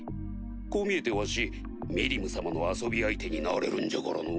こう見えてわしミリム様の遊び相手になれるんじゃからのぅ。